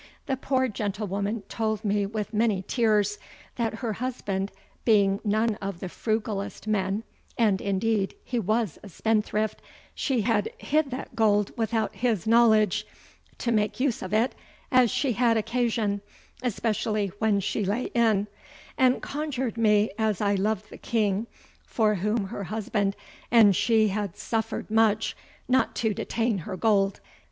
The poore gentlewoman told me with many teares, that her husband being none of the frugallest men (and indeed he was a spendthrift), she had hid that gold without his, knowledge, to make use of it as she had occasion, especiallie when she lay in; and conjured me, as I lovd the King (for whom her husband and she had suffered much), not to detaine her gold.